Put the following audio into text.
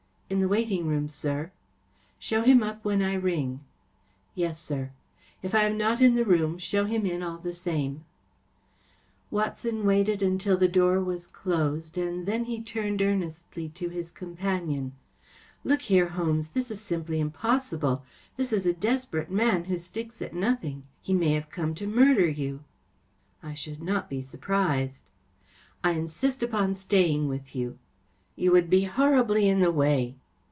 ‚ÄĚ " In the waiting room, sir.‚ÄĚ ‚ÄĚ Show him up when I ring.‚ÄĚ ‚ÄĚ Yes, sir.‚ÄĚ *' If I am not in the room, show him in all the same.‚ÄĚ ‚ÄĚ Yes, sir.‚ÄĚ Watson waited until the door was closed, and then he turned earnestly to his companion. ‚ÄĚ Look here, Holmes, this is simply im¬ possible. This is a desperate man, who sticks at nothing. He may have come to murder you.‚ÄĚ I should not be surprised.‚ÄĚ “ I insist upon staying with you.‚ÄĚ ‚ÄĚ You would be horribly in the way.